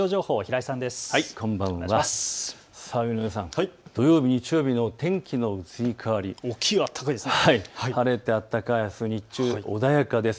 井上さん、土曜日、日曜日の天気の移り変わりです。